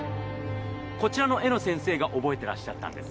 こちらの絵の先生が覚えてらっしゃったんです。